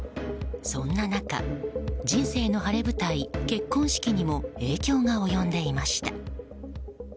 そんな中人生の晴れ舞台、結婚式にも影響が及んでいました。